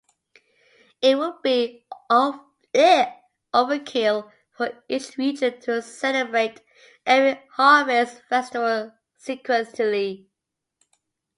It would be overkill for each region to celebrate every harvest festival sequentially.